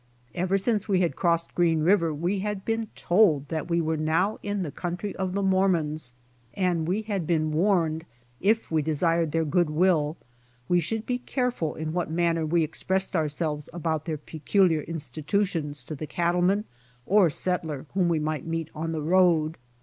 Ever since we had crossed Green river we had been told that we were now in the country of the Mormons, and we had been warned, if we desired their good will, we should be careful in what manner we expressed ourselves about their peculiar institutions to the cattlemen or settler whom we might meet on the road.